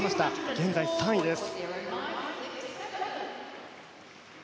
現在、３位です。